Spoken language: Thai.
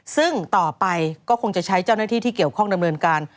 ซึ่งต่อไปก็คงจะใช้เจ้าหน้าที่ที่เกี่ยวข้องดำเนินการ